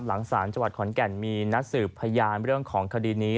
หลังศาลจังหวัดขอนแก่นมีนัดสืบพยานเรื่องของคดีนี้